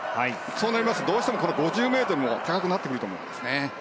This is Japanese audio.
そうなりますとどうしても５０ｍも高くなってくると思うんです。